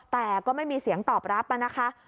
แต่ก็ไม่มีเสียงตอบรับนะคะ